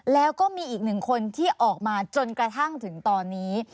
แล้วก็มีอีกหนึ่งคนที่ออกมาจนกระทั่งถึงตอนนี้